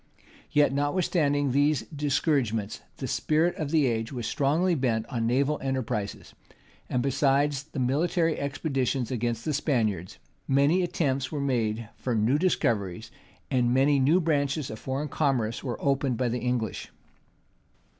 Yet, notwithstanding these discouragements, the spirit of the age was strongly bent on naval enterprises; and besides the military expeditions against the Spaniards, many attempts were made for new discoveries, and many new branches of foreign commerce were opened by the English.